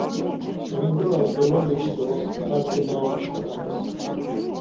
Hemindoras dolomibi do arti ma opşva ya.